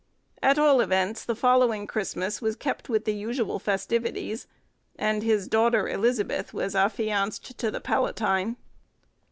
At all events the following Christmas was kept with the usual festivities, and his daughter Elizabeth was affianced to the Palatine.